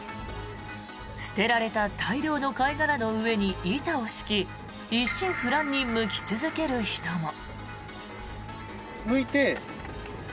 捨てられた大量の貝殻の上に板を敷き一心不乱にむき続ける人も。